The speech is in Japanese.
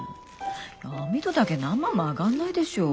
網戸だけで何万も上がんないでしょ。